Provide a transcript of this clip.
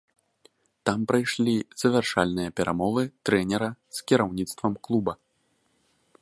Там прайшлі завяршальныя перамовы трэнера з кіраўніцтвам клуба.